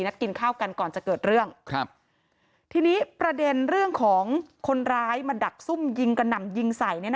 กินข้าวกันก่อนจะเกิดเรื่องครับทีนี้ประเด็นเรื่องของคนร้ายมาดักซุ่มยิงกระหน่ำยิงใส่